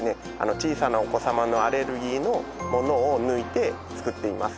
小さなお子様のアレルギーのものを抜いて作っています